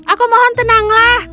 aku mohon tenanglah